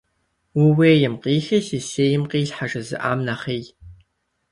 «Ууейм къихи сысейм къилъхьэ» - жызыӀам нэхъей.